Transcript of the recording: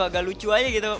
agak lucu aja gitu